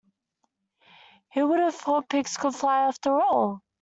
Who would have thought pigs could fly after all?